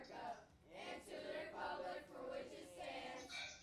hivyo vinaweza kumshika binadamu